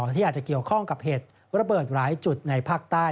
ที่อาจจะเกี่ยวข้องกับเหตุระเบิดหลายจุดในภาคใต้